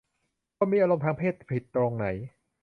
คนมีอารมณ์ทางเพศผิดตรงไหน